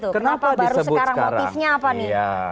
kenapa baru sekarang motifnya apa nih